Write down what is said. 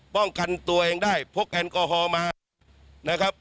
ป้องกันตัวเองได้พกแอลกอฮอล์มานะครับ